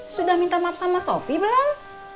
sudah minta maaf sama sopi belum